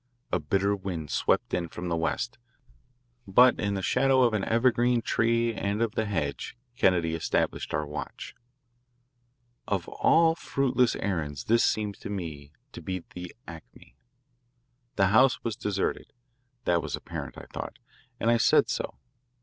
A bitter wind swept in from the west, but in the shadow of an evergreen tree and of the hedge Kennedy established our watch. Of all fruitless errands this seemed to me to be the acme. The house was deserted; that was apparent, I thought, and I said so.